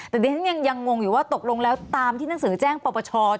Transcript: แต่ดิฉันยังงงอยู่ว่าตกลงแล้วตามที่หนังสือแจ้งปปช